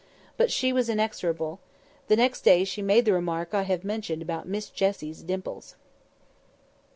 But she was inexorable. The next day she made the remark I have mentioned about Miss Jessie's dimples.